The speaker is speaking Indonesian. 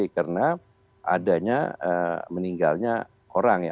karena adanya meninggalnya orang ya